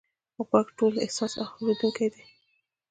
غوږ ټولو حساس اورېدونکی دی.